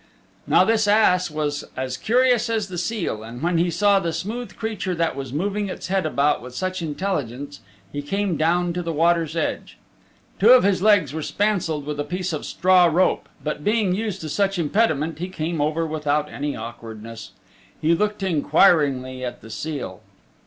Now this ass was as curious as the seal, and when he saw the smooth creature that was moving its head about with such intelligence he came down to the water's edge. Two of his legs were spancelled with a piece of straw rope, but being used to such impediment he came over without any awkwardness. He looked inquiringly at the seal.